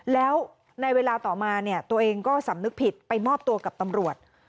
แล้วในเวลาต่อมาเนี่ยตัวเองก็สำนึกผิดไปมอบตัวกับตำรวจ